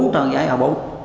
bốn trận giải hợp bốn